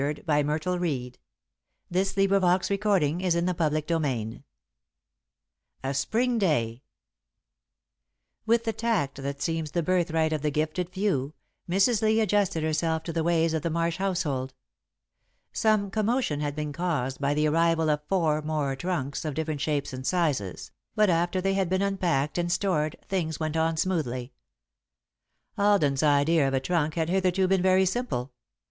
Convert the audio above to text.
"Then," said Edith, with a smile, "I'll stay." IX A Spring Day [Sidenote: Alden's Idea of a Trunk] With the tact that seems the birthright of the gifted few, Mrs. Lee adjusted herself to the ways of the Marsh household. Some commotion had been caused by the arrival of four more trunks, of different shapes and sizes, but after they had been unpacked and stored, things went on smoothly. Alden's idea of a trunk had hitherto been very simple.